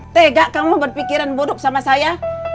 tega kamu berpikiran buruk sama saya